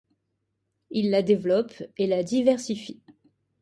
Il la développe et la diversifie.